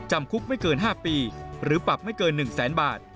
หรือปรับไม่เกิน๕ปีหรือปรับไม่เกิน๑๐๐๐๐๐บาท